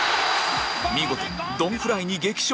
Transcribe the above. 見事ドン・フライに激勝！